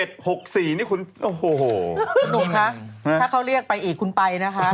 นุกคะถ้าเขาเรียกไปอีกคุณไปนะคะ